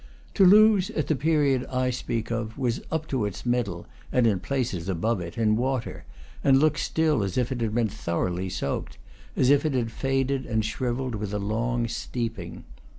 Toulouse, at the period I speak of, was up to its middle (and in places above it) in water, and looks still as if it had been thoroughly soaked, as if it had faded and shrivelled with a long steeping.